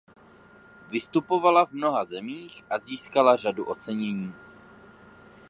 Vystupovala v mnoha zemích a získala řadu ocenění.